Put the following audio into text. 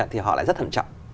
thì họ lại rất thận trọng